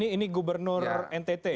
ini gubernur ntt ya